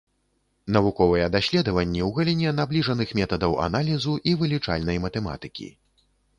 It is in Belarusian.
Навуковыя даследаванні ў галіне набліжаных метадаў аналізу і вылічальнай матэматыкі.